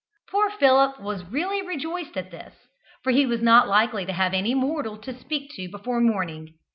Poor Philip was really rejoiced at this, for he was not likely to have any mortal to speak to before morning.